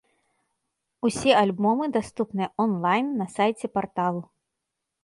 Усе альбомы даступныя он-лайн на сайце парталу.